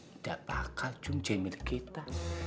tidak bakal jum jadi milik kita